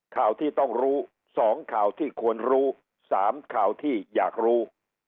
ข่าวที่ต้องรู้๒ข่าวที่ควรรู้๓ข่าวที่อยากรู้